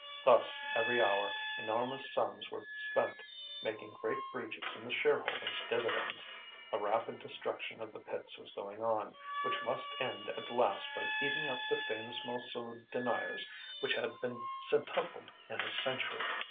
Thus every hour enormous sums were spent, making great breaches in the shareholders' dividends; a rapid destruction of the pits was going on, which must end at last by eating up the famous Montsou deniers which had been centupled in a century.